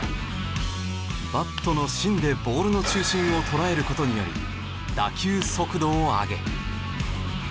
バットの芯でボールの中心を捉える事により打球速度を上げ。